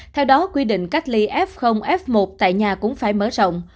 theo đó quy định cách ly f f một tại nhà cũng phải mở rộng